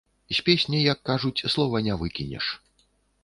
З песні, як кажуць, слова не выкінеш.